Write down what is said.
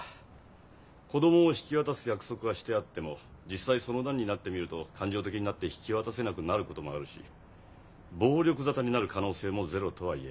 子供を引き渡す約束はしてあっても実際その段になってみると感情的になって引き渡せなくなることもあるし暴力沙汰になる可能性もゼロとは言えません。